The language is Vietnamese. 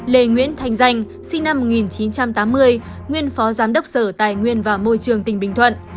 ba lê nguyễn thanh danh sinh năm một nghìn chín trăm tám mươi nguyên phó giám đốc sở tài nguyên và môi trường tỉnh bình thuận